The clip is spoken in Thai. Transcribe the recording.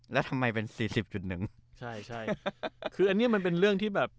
แล้วทำไมเป็นสี่สิบจุดหนึ่งใช่ใช่คืออันนี้มันเป็นเรื่องที่แบบ